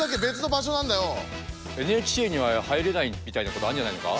ＮＨＫには入れないみたいなことあんじゃないのか？